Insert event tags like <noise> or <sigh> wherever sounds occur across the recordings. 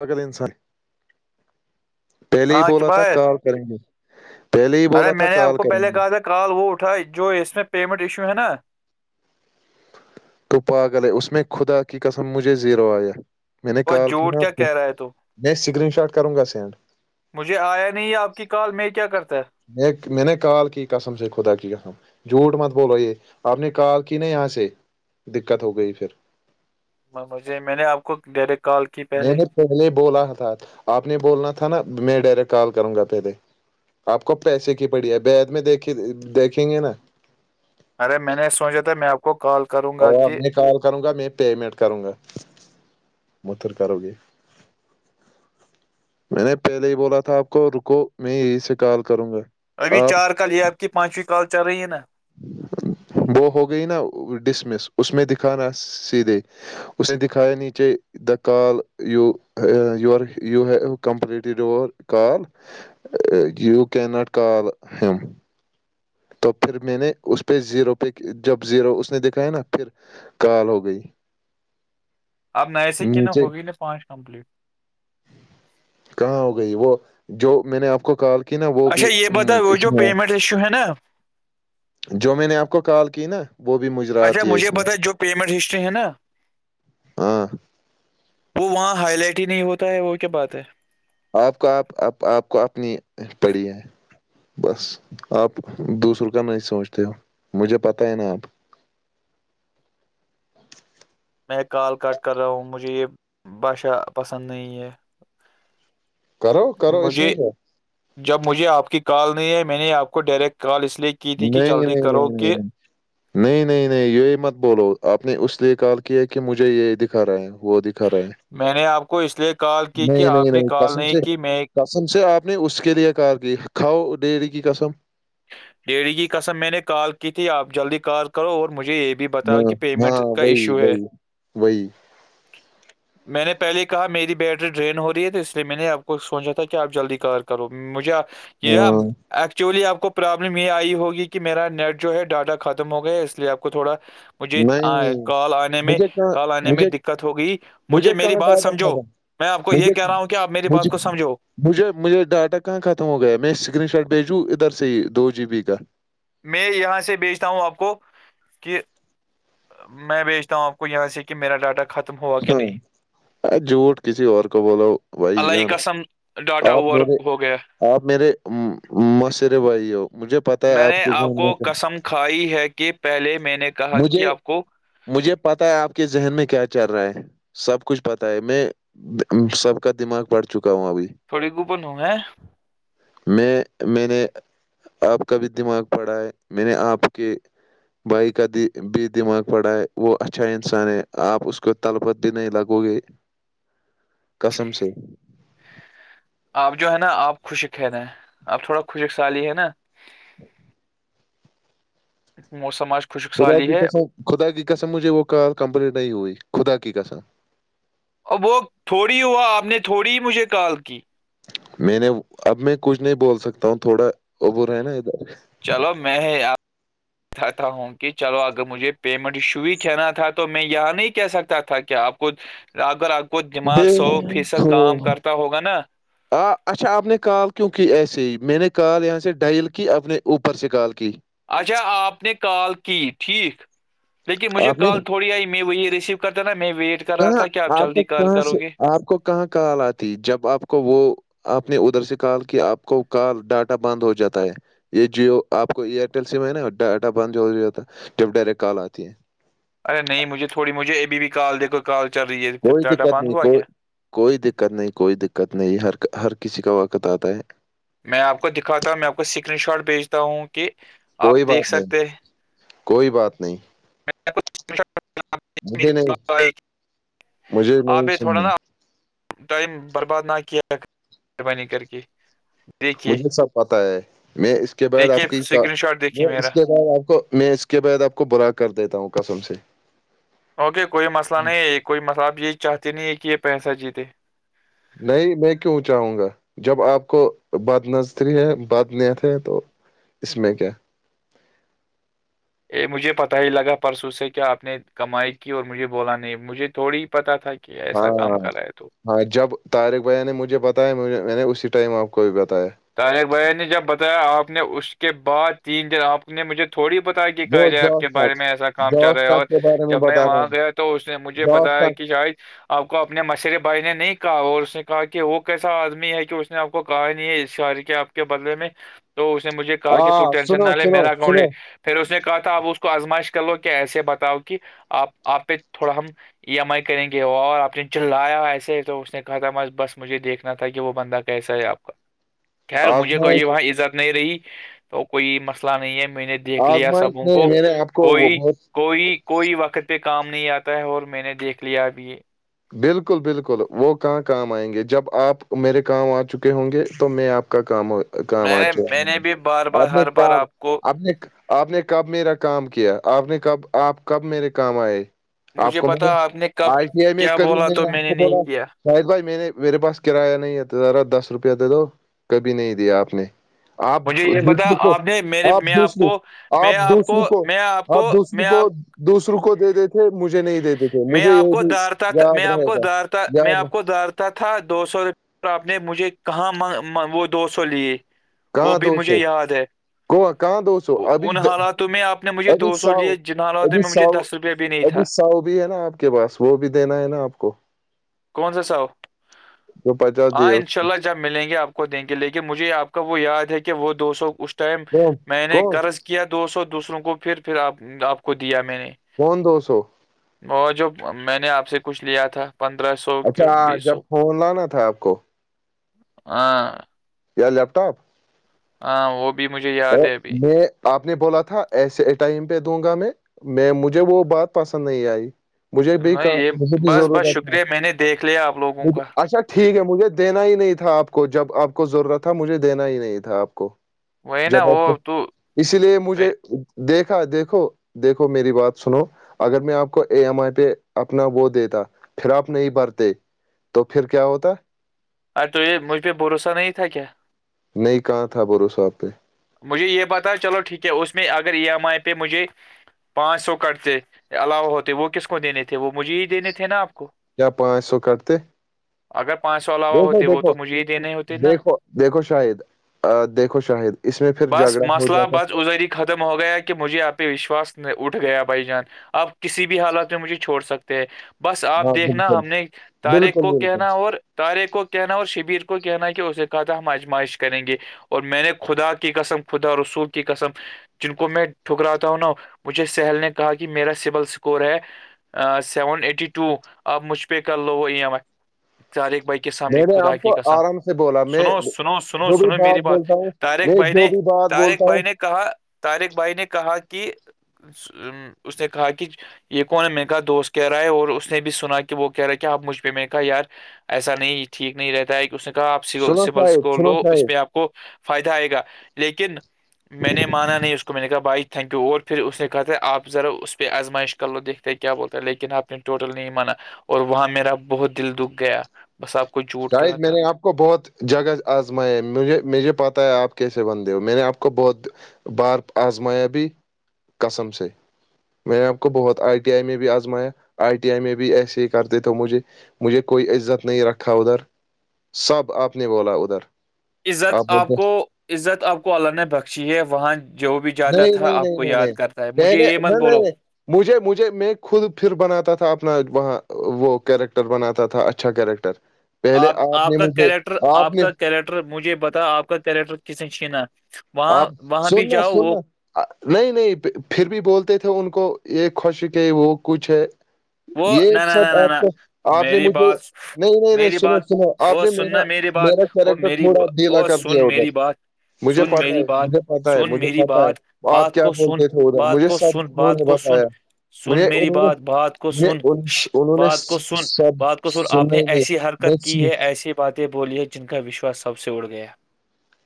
پگل انسان پہلے ہی ہاں بولا تھا کفایت کال کریں گے پہلے ہی ارے بولا تھا میں نے آپ کال کو کریں پہلے گے کہا تھا کال وہ اٹھاائے جو اس میں پیمنٹ ایشو ہے نا تو پاگل ہے اس میں خدا کی قسم مجھے زیرو آیا میں نے اور کال کی جھوٹ نا کیا آپ کو کہہ رہا ہے تو میں اس سکرین شاٹ کروں گا سینڈ مجھے آیا نہیں ہے آپ کی کال میں کیا کرتا ہے م نے کال کی قسم سے خدا کیی قسم جھوٹ مت بولو یہ آپ نے کال کی نہیں یہاں سے دقت ہو گئی پھر مجھے میں نے آپ کو ڈائریکٹ کال کی میں پہلے نے پہلے بولا تھا آپ نے بولنا تھا نا میں ڈائریکٹ کال کروں گا پہلے آپ کو پیسے کی پڑی ہے بیت میں دیک دیکھیں گے نا ارے میں نے سوچا تھا میں آپ کو کو کال کرو اور میں کال کروں گا میں پیمینٹ کروں گا متھر کر گی میں نے پہلے ہی بولا تھا آپ کو رکو میں یہی سے کال کروں گا ابھی آپ چار کال یہ آپ کی پانچویں کال چل رہی ہے نا وہ ہو گئی نا ڈسمس اس میں دکھانا سیدھے اس نے دکھایا نیچے the call you were you ہ completed were call you can not call hmm تو پھر میں نے اس پہ زیرو پہ جب زیرو اس نے دکھایا نا پھر کال ہو گئی اپ نئے سے کی ن نیچے ہوگی نہیں پانچ کمپلیٹ کہاں ہو گئی وہ جو میں نے آپ کو کال کی نا وہ بھی اس میں شو ہے نا جو میں نے آپ کو کال کی نا وہ بھی مجرا آتی ہے مجھ اس میں بتتا جو پیمٹ ہسٹری نا ہاں ہاں وہ وہاں ہائی لائٹ ہی نہیں ہوتا ہے وہ کیا بات ہے آپ کو آپ آپ کو اپنی پڑی ہے بس آپ دوسروں کا نہیں سوچتے ہو مجھے پتا ہے نا آپ میں کال کاٹ کر رہا ہوں مجھے یہ بھاشا پسند نہیں ہے کرو کرو اس میں مجھے کیا جب مجھے آپ کی کال نہیں آئی میں نے آپ کو ڈائریکٹ کال اس لیے کی تھی کہ نہیں جلدی نہیں کرو نہیں نہیں کہ نہیں نہیں نہیں نہیں یہی مت بولو آپ نے اس لیے کال کیا کہ مجھے یہ دکھا رہا ہے وہ دکھا رہا ہے میں نے آپ کو اس لیے کال کی کہ نہیں نہیں آپ نے کال قسم نہیں سے کی میں قسم سے آپ نے اس کے لیے کار کی کھاؤ ڈیری کی قسم ڈیری کی قسم میں نے کال کی تھی آپ جلدی کال کرو اور مجھے یہ بھی بتاؤ ہاں کہ ہاں پیمنٹ کا وہی ایشو ہے وہی وہی میں نے پہلے کہا میری بیٹری ڈرین ہو رہی ہے تو اس لیے میں نے آپ کو سوچا تھا کہ آپ جلدی کال کرو مجھے آ جی آپ ہاں ایکچولی آپ کو پرابلم یہ آئی ہوگی کہ میرا نیٹ جو ہے ڈاٹا ختم ہو گیا اس لیے آپ کو تھوڑا مجھے نہیں کال آنے میں مجھے کہاں کال آنے میں مجھے دقت ہوگئی مجھے میری کہاں بات ڈر رکھا سمجھو تھا میں آپ کو یہ مجھے کہہ رہا ہوں کہ آپ میری بات مجھے کو سمجھو مجھے مجھے ڈاٹا کہاں ختم ہو گیا میں اسکرین شاٹ بھیجوں ادھر سے ہی دو جی بی کا میں یہاں سے بیچتا ہوں آپ کو کہ میں بھیجتا ہوں آپ کو یہاں سے کہ میرا ڈاٹا ختم ہوا کہ ہاں نہیں ار جھوٹ کسی اور کو بولو بھائی اللہ کی جان قسم ڈاٹا آپ اوور میرے ہو گیا آپ میرے ماشرے بھائی ہو مجھے پتہ ہے میں آپ نے کے گھومنے کو کا قسم کھائی ہے کہ پہلے میں نے کہا کہ مجھے آپ کو مجھے پتا ہے آپ کے ذہن میں کیا چل رہا ہے سب کچھ پتا ہے میں سب کا دماغ پڑھ چکا ہوں ابھی تھوڑی گوپن ہوں ہے میں میںنے آپ کا بھی دماغ پڑا ہے میں نے آپ کے بھائی کد بھی دماغ پڑا ہے وہ اچھا انسان ہے آپ اس کو تلبت بھی نہیں لگو گے قسم سے آپ جو ہے نا آپ خوشک ہے نا آپ تھوڑا خوشک سالی ہے نا <inaudible> موسم آج خشک خدا سالی کی ہے قسم خدا کی قسم مجھے وہ کال کمپلیٹ نہیں ہوئی خدا کی قسم ا وہ تھوڑی ہوا آپ نے تھوڑی ہی مجھے کال کی میں نے اب میں کچھ نہیں بول سکتا ہوں تھوڑا ابھرا ہے نا ادھر چلو میں ہی آپ چاہتا ہوں کہ چلو اگر مجھے پیمنٹ ایشو ہی کہنا تھا تو میں یہاں نہیں کہہ سکتا تھا کہ آپ کچھ اگر آپ کو دماغ بے سو فیصد کام خو- کرتا ہوگا نا آ اچھا آپ نے کال کیوں کی ایسے ہی میں نے کال یہاں سے ڈائل کی اپپنے اوپر سے کال کی اچھا آپ نے کال کی ٹھیک لیکن مجھے آپ نے کال تھوڑی آئی میں وہی ریسیو کہتا تھا نا میں ویٹ کر رہا کہاں تھا کہ آپ جلدی کو کال کہاں کرو سے گے آپ کو کہاں کال آتی جب آپ کو وہ آپ نے ادھر سے کہا کہ آپ کو ک ڈاٹا بند ہو جاتا ہے یہ جیو آپ کو ایئرٹیل سم ہے نا ڈاٹا بند ہو جاتا ہے جب ڈائریکٹ کال آتی ہے ارے نہیں مجھے تھوڑی مجھے ابھی بھی کال دیکھو کال چل رہی ہے پھر کوئی ڈاٹا دقت بند نہیں ہوا کوئی کیا کوئی دقت نہیں کوئی دقت نہیں ہر ہر کسی کا وقت آتا ہے میں آپ کو دکھاتا ہوں میں آپ کو اسکرین شاٹ بھیجتا ہوں کہ کوئی آپ بات دیکھ نہیں سکتے ہیں کوئی بات نہیں میں آپ کو مجھے نہیں مجھے آپ نہیں تھوڑا سننی نا ٹائم برباد نہ کیا مہربانی کر کے دیکھیے مجھے سب پتا ہے میں اس کے بعد آپ دیکھیے کی اسکرین شاٹ دیکھیے میں میرا اس کے بعد آپ کو میں اس کے بعد آپ کو برا کر دیتا ہوں قسم سے اوکے کوئی مسئلہ نہیں کوئی مسئلہ آپ یہی چاہتے نہیں ہیں کہ یہ پیسہ جیتے نہیں میں کیوں چاہوں گا جب آپ کو بد نظری ہے بدنیت ہے تو اس میں کیا ا مجھے پتہ ہی لگا پرسوں سے کیا آپ نے کمائی کی اور مجھے بولا نہیں مجھے تھوڑی ہی پتہ تھا کہ ایسا کام ہاں کر رہا ہے تو ہاں جب طارق بھیا نے مجھے بتایا میں نے اسی ٹائم آپ کو بھی بتایا طارق بین نے جب بتایا آپ نے اس کے بعد تین دن آپ کو نے مجھے تھوڑی بتاائی کہ کہ وہ جائے آپ جاب کے ٹاک بارے میں ایسا کام چل جاب رہا ہے اور ٹاک کے بارے جب میں بتا رہا ہوں وہاں گیا تو اس نے مجھے جاب بتایا تک کہ شاید آپ کو اپنے مشر بھائی نے نہیں کہا اور اس نے کہا کہ وہ کیسا آدمی ہے کہ اس نے آپ کو کہا نہیں ہے شاری کیا آپ کے بدلے میں تو اس نے مجھے کہا کہ ت ہاں ٹینشن نہ سنو لے سنو میرا اکاؤنٹ لے سنو پھر اس نے کہا تھا آپ اس کو ازمائش کر لو کہ ایسے بتاؤ کہ آپ آپ پہ تھوڑا ہم ای ایم آئی کریں گے وہ اور آپ نے چلایا ایسے تو اس نے کہا تھا بس بس مجھے دیکھنا تھا کہ وہ بندہ کیسا ہے آپ کا خیر مجھے آزمائش کوئی وہاں عزت نہیں رہی تو کوئی مسئلہ نہیں ہے میں نے دیکھ لیا آزمائش سبوں نے کو میرے آپ کو وہ کوئی بہت کوئی کوئی وقت پہ کام نہیں آتا ہے اور میں نے دیکھ لیا اب یہ بالکل بالکل وہ کہاں کام آئیں گے جب آپ میرے کام آ چکے ہوں گے تو میں آپ کا کام ہو کام میں آ نے میں نے بھی بار آ بار نے ہر کا بار آپ کو آ نے آپ نے کب میرا کام کیا آپ نے کب آپ کب میرے کام آئے آپ مجھے کو میں بتا نے آپ کب آئی ٹی آئی میں کیا ایک کری بولا میں تو نے آپ کو نہیں بولا کیا شاہد بھائی میں نے میرے پاس کرایہ نہیں ہے تو ذرا دس روپیہ دے دو کبھی نہیں دیا آپ نے آپ مجھے یہ بتا دوسروں کو آپ نے میرے آپ میں دوسروں کو میں آپ دوسروں کو میں آپ کو دوسروں میں آپ کو دوسروں کو دے دیتے تھے مجھے نہیں دےتے تھے میں مجھے آپ یہ کو بھی دارتا یاد میں آ رہے کو گا دارتا میں یاد آ رہ- پکو دار تا تھا دو سو روپیہ آپ نے مجھے کہاں وہ دو سو لیے وہ کہاں بھی دو مجھے سو یاد ہے گوا کہاں دو سو وہ ابھی ان حالاتوں میں آپ نے مجھے ابھی دو سو ساؤ لیے جن حالاتوں ابھی میں مجھے ساؤ دس روپئے ابھی سؤ بھی ہے نا آپ کے پاس وہ بھی دینا ہے نا آپ کو کون سا سو جو پچاس دیے ہاں ان شاء اللہ ملیں گے آپ کو دیں گے لیکن مجھے آپ کا وہ یاد ہے کہ وہ دو سو اس ٹائم کون میں نے کون قرض کیا دو سو دوسروں کو پھر پھرپ آپ کو دیا میں نے کون دو سو وہ جو میں نے آپ سے کچھ لیا تھا پندرہ سو اچھا کن بی جب سو فون لانا تھا آپ کو ہاں یا لیپٹاپ ہاں وہ بھی مجھے تو یاد ہے ابھی میں آپ نے بولا تھا ایسے ٹائم پہ دوں گا میں میں مجھے وہ بات پسند نہیں آئی مجھے بھی کہ نہیں یہ مجھے بھی بس بس ضرورت ہے شکریہ میں نے دیکھ لیا آپ لوگوں کا اچھا ٹھیک ہے مجھے دینا ہی نہیں تھا آپ کو جب آپ کو ضرورت تھا مجھے دینا ہی نہیں تھا آپ کو وہی نا جاں وہ تو اس لیے مجھے ارے دیکھا دیکھو دیکھو میری بات سنو اگر میں آپ کو اے ایم آئی پہ اپنا وہ دیتا پھر آپ نہیں بھرتے تو پھر کیا ہوتا ار تو یہ مجھ پہ بھروسہ نہیں تھا کیا نہیں کہاں تھا بھروسہ آپ پہ مجھے یہ پتا چلو ٹھیک ہے اس میں اگر ای ایم آئی پہ مجھے پانچ سو کرتے علاوہ ہوتے وہ کس کو دینے تھے وہ مجھے ہی دینے تھے نا آپ کو کیا پانچ سو کٹتے اگر پانچ سو علاوہ دیکھو ہوتے وہ دیکھو تو مجھے ہی دینے ہوتے نا دیکھو دیکھو شاہد دیکھو شاہد اس میں پھر بس جھگڑا ہو مسئلہ جاتا بس ادھر ہی ختم ہو گیا کہ مجھے آپہ وشواس اٹھ گیا بھائی جان آپ کسی بھی حالات پہ مجھے چھوڑ سکتے ہیں بس ہاں آپ دیکھنا بالکل ہم نے طاریخ بالکل کو بالکل کہنا اور طاریخ کو کہنا اور شبیر کو کہنا ہے کہ اسے کہا تھا ہم آجمائش کریں گے اور میں نے خدا کی قسم خدا رسول کی قسم جن کو میں ٹھکراتا ہوں نا مجھے سہل نے کہا کہ میرا سبول اسکور ہے سیون ایٹی ٹو اپ مجھ پہ کر لو ای ایم آئی چار ایک بے سامنے میں نے خدا آپ کی کو قسم آرام سے بولا میں سنو سنو سنو جو بھی سنو میری بات بولتا ہوں طاریق میں جو نے بھی بات طاریق بولتا ہوں بھائی نے کہا طاریق بھائی نے کہا کہ اس نے کہا کہ یہ کون ہے میی نے کہا دوست کہہ رہا ہے اور اس نے بھی سنا کہ وہ کہہ رہا ہے کیا اب مجھ پہ میں نے کہایار ایسا نہیں ٹھیک نہیں رہتا ہے کہ اس نے کہا آپ سنو سبل شاہد سکوول سنو لو اس شاہد میں آپ کو فائدہ آئے گا لیکن میں نے مانا نہیں اس کو میں نے کہا بھائی تھینک یو اور پھر اس نے کہا تھا آپذرا اس پہ آزمائش کر لو دیکھ کیا بولتا ہے لیکن آپ نے ٹوٹل نہیں مانا اور وہاں میرا بہت دل دکھ گیا بس آپ کو جھوٹ شاید کہا میں تھا نے آپ آ پکو بہت جگہ آزمائے مجھے مجھے پتا ہے آپ کیسے بندے ہو میں نے آ پکو بہت بارپ آزمایابی قسم سے میں نے آ کو بہت آئی ٹی آئی میں بھی آزمایا آئی ٹی آئی میں بھی ایسے ہی کرتے تھے مجھے مجھے کوئی عزت نہیں رکھا ادھر سب آپ نے بولا ادھر عزت آپ کو عزت آپ کو اللہ نے بخشی ہے وہاں جو بھی جاتا نہیں تھا نہیں آپ نہیں کو نہیں یاد نہیں کرتا ہے مجھے پہلے یہ مت نہیں نہیں بولو نہیں مجھے مجھے میں خود پھر بناتا تھا اپنا وہاں وہ کیریکٹر بناتا تھا اچھا اچھا کیریکٹر پہلے آپ آپ نے کا مجھے کیریکٹر آپ نے کا کیریکٹر مجھے بتا آپ کا کیریکٹر کس نے چھیناا آپ سننا سننا نہیں نہیں پھر بھی بولتے تھے ان کو یہ خوشک وہ کچھ ہے وہ یہ نہ نہ سب نہ نہ آپ نہ کو آپ نے میری مجھے بات نہیں نہیں نہیں میری سناو بات سناو آپ او نے میرا سننا میری بات میرا او کرریکٹر میری تھوڑا با- ڈھیلا او کر سن دیا میری ادھر بات مجھے سن پ میری بات مجھے پتا ہے سن مجھے میری پتا ہے بات آپ بات کیا کو سن بولتے تھے ادھر بات مجھے کو سب سن انہوں بات نے کو سن بتایا سن مجھے میری انہوں نے بات بات کچھ مجھے سن انہوں نے بات کو سن سب بات کو سن آپ نے سنا ہی ایسی حرکت کی ہے نہیں ایسی ایسی باتیں بولی جن کا وشواس سب سے اڑ گیا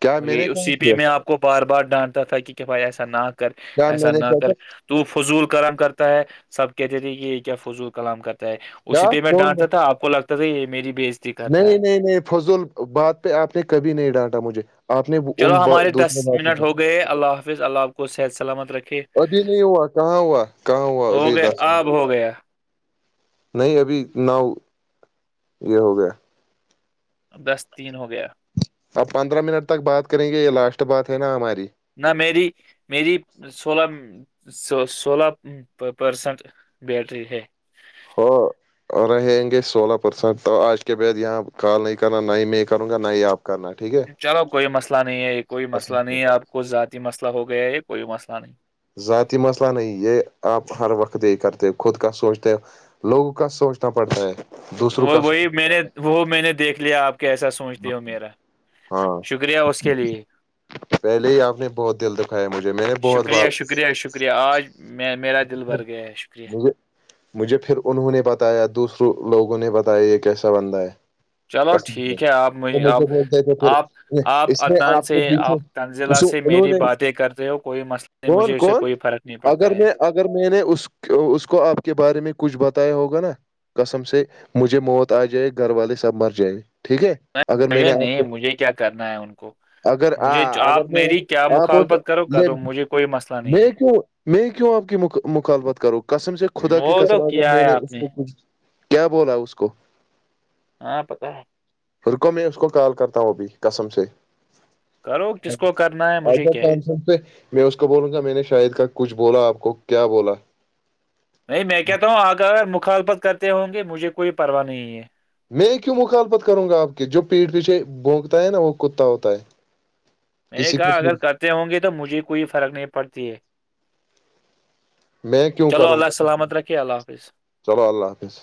کیا میں نے یہ کہا اسی پہ کیا میں آپ کو بار بار ڈانتا تھا کہ کہ بھائی ایسا نہ کر کیا ایسا مل نہ کیا کر کہ تو فضول کلام کرتا ہے سب کہتے تھے کہ یہ کیا فضول کلام کر کیا اسی پہ میں کون ڈانٹتا تھا آپ کو لگتا تھا یہ میری بیج نہیں نہیں نہیں فضول بات پہ آپ نے کبھی نہیں ڈانٹا مجھے آپ نے چلو ان با- ہمارے دس دوسرے باتوں منٹ پہ ہو گئے اللہ حافظ اللہ آپ کو صحت سلامت رکھھیے ابھی نہیں ہوا کہاں ہوا کہاں ہوا ابھی ہو گیا دس آب ہو گیا نہیں ابھی نؤ یہ ہو گیا دس تین ہو گیا اپ پندرہ منٹ تک بات کریں گے یہ لاسٹ بات ہے نا ہماری نہ میری میری سولہ سو سولہ پرسنٹ بیٹری ہے وہ اور رہیں گے سولہ پرسنٹ تو آج کے بعد یہاں کال نہیں کرنا نہ ہی میں کروں گا نہ ہی آپ کرنا ٹھیک ہے چلو کوئی مسئلہ نہیں ہے یہ کوئی مسئلہ نہیں ہے آپ کو ذاتی مسئلہ ہو گیا ہے یہ کوئی مسئلہ نہیں ذاتی مسئلہ نہیں یہ آپ ہر وقت دی کرتے ہو خود کا سوچتے ہیں لوگوں کا سوچنا پڑتا ہے دوسروں وہ کا سو- وہی میں نے وہ میں نے دیکھ لیا آپ کے ایسا سوچتے ہو میرا ہاں شکریہ اس کے لیے پہلے ہی آپ نے بہت دل دکھایا مجھے میں نے بہت شکریہ بات شکریہ شکریہ آج میں میرا دل بھرھ گیا ہے شکریہ مجھے مجھے پھر انہوں نے بتایا دوسروں لوگوں نے بتایا یہ کیسا بندہ ہے چلو کسم سے ٹھیک ہے آپ وہ آپ مجھے بولتے تھے پھر آپ آپ اس میں عدنان آپ سے کے پیچھے آپ تنزیلہ سے انہوں میری نے باتیں کرتے ہو کوئی مسئلہ نہیں کون مجھے اسے کون کوئی فرق نہیں پڑتا اگر ہے میں اگر میں نے اس اس کو آپ کے بارے میں کچھ بتایا ہوگا نا کسم سے مجھے موت آ جائے گھر والے سب مر جائیں ٹھیک ہے اگر میں نے ے آپ نہیں کو مجھے کیا کرنا ہے ان کو اگر آ مجھے اگر آپ میں میری کیا آپ مخالفت کرو کرو مجھے کوئی مسئلہ نہیں میں کیوں میں کیوں آپ کی مخالبت کرو کسم سے ہے خدا کی وہ تو کسم اگر کیا میں ہے نے آپ اس کو کچھ کیا بولا اس کو ہاں پتا ہے رکو میں اس کو کال کرتا ہوں ابھی قسم سے کرو کس کو کرنا ہے آ مجھے جا کیا ہے کانسن سے میں اس کو بولوں گا میں نے شاید کا کچھ بولا آپ کو کیا بولا نہیں میں کہتا ہوں آگ اگر مخالفت کرتے ہوں گے مجھے کوئی پرواہ نہیں ہے میں کیوں مخالفت کروں گا آپ کی جو پیٹھ پیچھے بونکتا ہے نا وہ کتا ہوتا ہے میں نے کسی کے کہا اگر کرتے ہوں گے تو مجھے کوئی فرق نہیں پڑتی ہے میں کیوں چلو کروں اللہ گا سلامت رکھے اللہ حافظ چلو اللہ حافظ